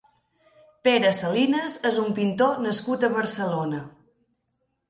Pere Salinas és un pintor nascut a Barcelona.